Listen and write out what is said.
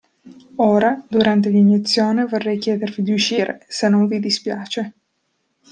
Ora, durante l'iniezione vorrei chiedervi di uscire, se non vi dispiace.